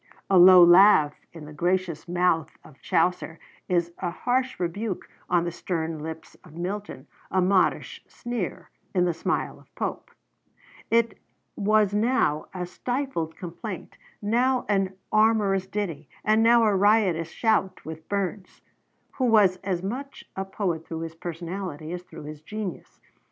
A low laugh in the gracious mouth of Chaucer, a harsh rebuke on the stern lips of Milton, a modish sneer in the smile of Pope, it was now a stifled complaint, now an amorous ditty, and now a riotous shout with Burns, who was as much a poet through his personality as through his genius.